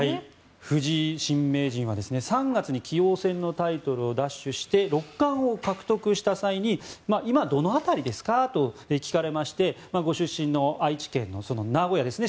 藤井新名人は３月に棋王戦のタイトルを奪取して六冠を獲得した際に今、どの辺りですか？と聞かれましてご出身の愛知県の名古屋ですね